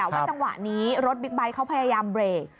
ว่าจังหวะนี้รถบิ๊กไบท์เขาพยายามเบรก